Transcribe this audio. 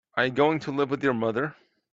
Are you going to live with your mother?